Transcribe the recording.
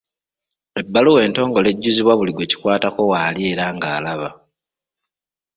Ebbaluwa entongole ejjuzibwa buli gwekikwatako waali era nga alaba.